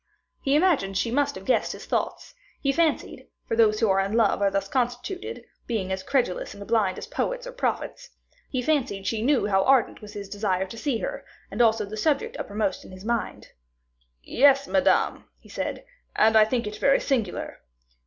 He imagined she must have guessed his thoughts; he fancied (for those who are in love are thus constituted, being as credulous and blind as poets or prophets), he fancied she knew how ardent was his desire to see her, and also the subject uppermost in his mind. "Yes, Madame," he said, "and I think it very singular."